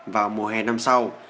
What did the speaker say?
vào mùa hè năm sau